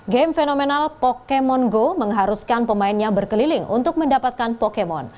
game fenomenal pokemon go mengharuskan pemainnya berkeliling untuk mendapatkan pokemon